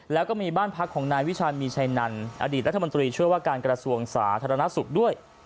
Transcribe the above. แล้วก็มีบ้านพักของนายวิชาณมีชัยนันอดีตรัฐมนตรีช่วยว่าการกระทรวงสาธารณสุขด้วย